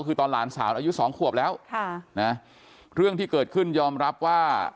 คือตอนหลานสาวอายุสองขวบแล้วค่ะนะเรื่องที่เกิดขึ้นยอมรับว่า